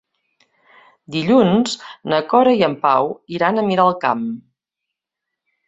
Dilluns na Cora i en Pau iran a Miralcamp.